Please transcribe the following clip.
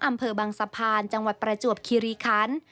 อำเภอบางสะพานจังหวัดประจวบคิริคัน